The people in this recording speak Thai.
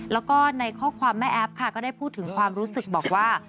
แล้วก็ในข้อความแม่แอฟค่ะก็ได้พูดถึงความรู้สึกบอกว่า